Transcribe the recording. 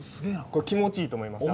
これ気持ちいいと思います